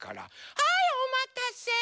はいおまたせ！